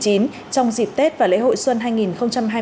trong dịp tết và lễ hội xuân hai nghìn hai mươi bốn